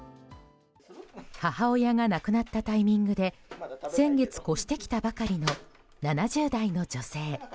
母親が亡くなったタイミングで先月、越してきたばかりの７０代の女性。